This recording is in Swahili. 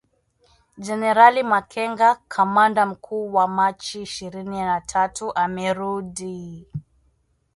Jenerali Makenga, kamanda mkuu wa Machi ishirini na tatu amerudi